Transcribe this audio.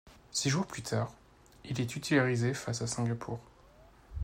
Six jours plus tard, il est titularisé face à Singapour.